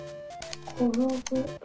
「ころぶ」。